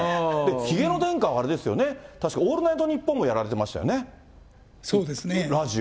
ひげの殿下はあれですよね、確かオールナイトニッポンもやられてそうですね。